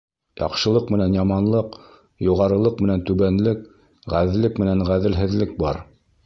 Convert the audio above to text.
Яҡшылыҡ менән яманлыҡ, юғарылыҡ менән түбәнлек, ғәҙеллек менән ғәҙелһеҙлек бар.